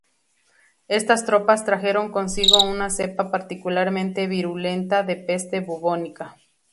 Estas tropas trajeron consigo una cepa particularmente virulenta de peste bubónica.